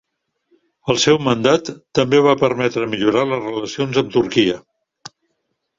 El seu mandat també va permetre millorar les relacions amb Turquia.